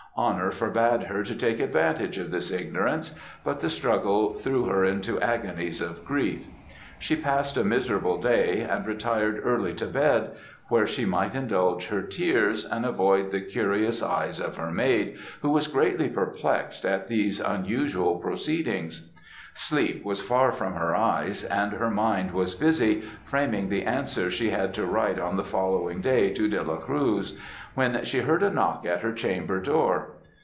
Honour forbad her to take advantage of this ignorance; but the struggle threw her into agonies of grief. She passed a miserable day, and retired early to bed; where she might indulge her tears, and avoid the curious eyes of her maid, who was greatly perplexed at these unusual proceedings. Sleep was far from her eyes, and her mind was busy, framing the answer she had to write on the following day to De la Cruz, when she heard a knock at her chamber door.